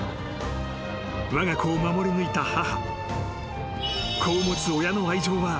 ［わが子を守りぬいた母］